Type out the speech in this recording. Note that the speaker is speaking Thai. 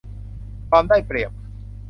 ความได้เปรียบ